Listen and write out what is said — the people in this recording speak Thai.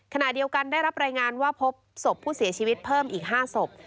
ขณะเดียวกันได้รับรายงานว่าพบศพผู้เสียชีวิตเพิ่มอีก๕ศพ